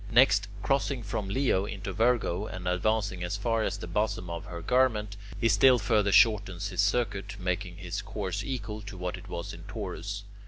Next, crossing from Leo into Virgo, and advancing as far as the bosom of her garment, he still further shortens his circuit, making his course equal to what it was in Taurus.